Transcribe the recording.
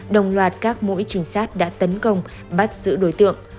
đồng loạt các mũi trinh sát đã tấn công bắt giữ đối tượng